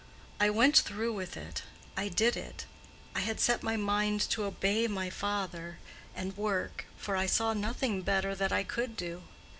I went through with it; I did it; I had set my mind to obey my father and work, for I saw nothing better that I could do.